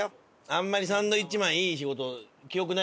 あんまりサンドウィッチマンいい仕事記憶ないもんね。